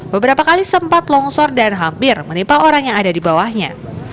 beberapa kali sempat longsor dan hampir menimpa orang yang ada di bawahnya